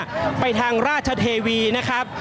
ก็น่าจะมีการเปิดทางให้รถพยาบาลเคลื่อนต่อไปนะครับ